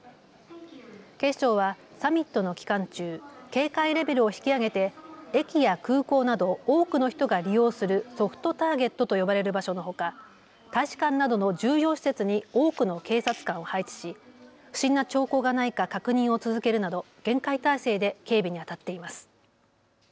警視庁はサミットの期間中、警戒レベルを引き上げて駅や空港など多くの人が利用するソフトターゲットと呼ばれる場所のほか大使館などの重要施設に多くの警察官を配置し不審な兆候がないか確認を続けるなど厳戒態勢で警備にあたっています。